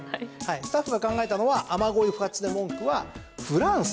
スタッフが考えたのは雨乞い不発で文句は降らんっす。